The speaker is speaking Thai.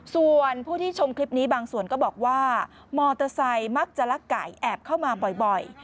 ส่วนผู้ที่ชมคลิปนี้บางส่วนก็บอกว่ามอเตอร์ไซค์มักจะลักไก่แอบเข้ามาบ่อย